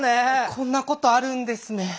こんなことあるんですね。